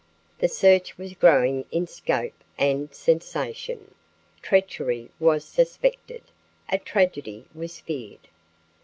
The search was growing in scope and sensation. Treachery was suspected, a tragedy was feared.